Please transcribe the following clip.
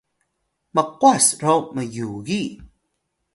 mqwas ro myugi